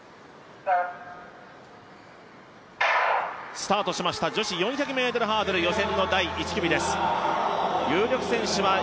スタートしました女子４００ｍハードル予選の第１組です。